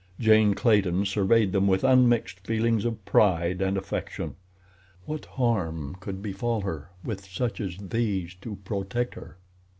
Jane Clayton surveyed them with unmixed feelings of pride and affection. What harm could befall her with such as these to protect her?